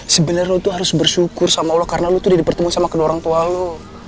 sebenarnya lo tuh harus bersyukur sama allah karena lu tuh udah dipertemui sama kedua orang tua lo